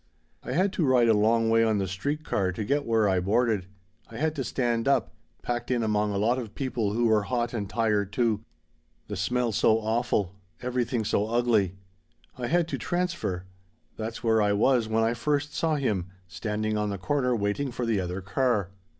"I had to ride a long way on the street car to get where I boarded. I had to stand up packed in among a lot of people who were hot and tired too the smell so awful everything so ugly. "I had to transfer. That's where I was when I first saw him standing on the corner waiting for the other car.